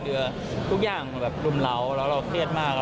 หรือทุกอย่างรูมเว้าเราก็คล้ายออกเพรียสมาก